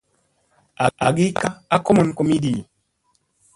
Agi ka a komom komiɗi.